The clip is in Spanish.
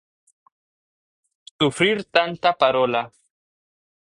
Sufrir tanta parola